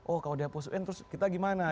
oh kalau dia pusing terus kita gimana